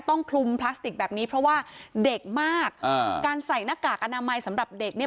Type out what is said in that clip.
คลุมพลาสติกแบบนี้เพราะว่าเด็กมากอ่าการใส่หน้ากากอนามัยสำหรับเด็กเนี่ย